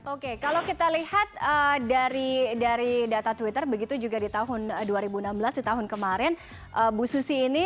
oke kalau kita lihat dari data twitter begitu juga di tahun dua ribu enam belas di tahun kemarin bu susi ini